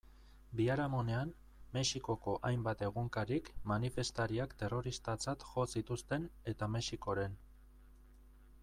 Biharamunean, Mexikoko hainbat egunkarik manifestariak terroristatzat jo zituzten eta Mexikoren.